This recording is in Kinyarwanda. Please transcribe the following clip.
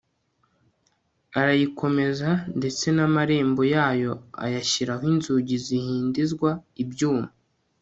arayikomeza ndetse n'amarembo yayo ayashyiraho inzugi zihindizwa ibyuma